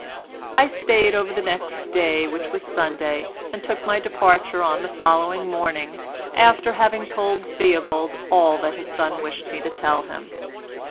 I stayed over the next day which was Sunday, and took my departure on the following morning after having told Theobald all that his son wished me to tell him.